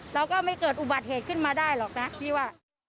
เราก็ไม่เกิดอุบัติเหตุขึ้นมาได้หรอกนะพี่ว่า